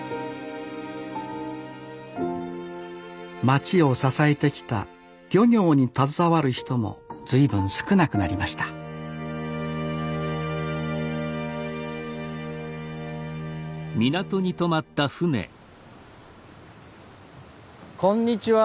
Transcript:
町を支えてきた漁業に携わる人も随分少なくなりましたこんにちは。